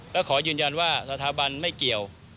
และขอยืนยันว่าสถาบันไม่เกี่ยว